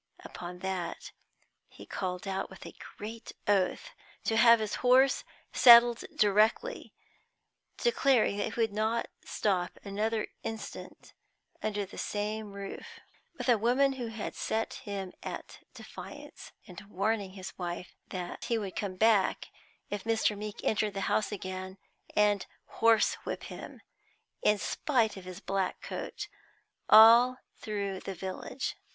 Upon that, he called out, with a great oath, to have his horse saddled directly, declaring that he would not stop another instant under the same roof with a woman who had set him at defiance, and warning his wife that he would come back, if Mr. Meeke entered the house again, and horsewhip him, in spite of his black coat, all through the village.